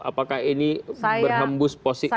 apakah ini berhembus positif politis dan